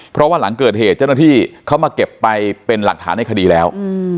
เพราะว่าหลังเกิดเหตุเจ้าหน้าที่เขามาเก็บไปเป็นหลักฐานในคดีแล้ว